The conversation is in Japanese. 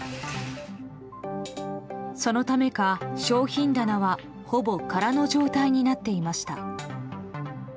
そのためか、商品棚はほぼからの状態になっていました。